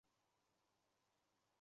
雷克斯弗尔。